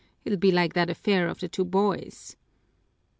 It'll be like that affair of the two boys."